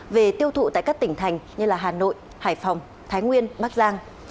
về tiêu thụ tại các tỉnh thành như hà nội hải phòng thái nguyên bắc giang